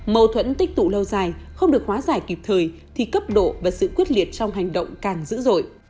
mâu thuẫn tích tụ lâu dài không được hóa giải kịp thời thì cấp độ và sự quyết liệt trong hành động càng dữ dội